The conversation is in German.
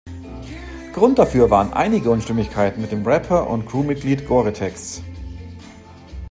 Grund dafür waren einige Unstimmigkeiten mit dem Rapper und Crewmitglied Goretex.